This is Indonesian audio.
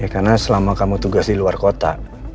karena selama kamu tugas di luar kota